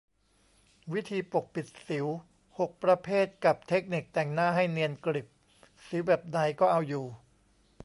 วิธีปกปิดสิว หก ประเภทกับเทคนิคแต่งหน้าให้เนียนกริบ สิวแบบไหนก็เอาอยู่